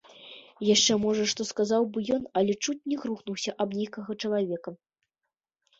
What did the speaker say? Яшчэ, можа, што сказаў бы ён, але чуць не грукнуўся аб нейкага чалавека.